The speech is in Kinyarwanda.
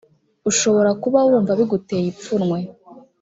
ushobora kuba wumva biguteye ipfunwe